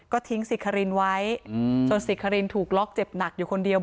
ก็ทิ้งสิทธิ์คารินไว้จนสิทธิ์คารินถูกล็อกเจ็บหนักอยู่คนเดียว